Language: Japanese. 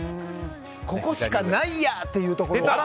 ここしかないやーっていうところで。